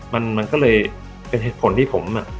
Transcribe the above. มันมันก็เลยเป็นเหตุผลที่ผม